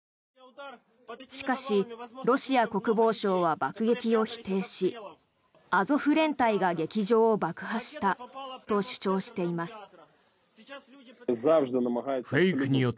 しかし、ロシア国防省は爆撃を否定しアゾフ連隊が劇場を爆破したと主張しています。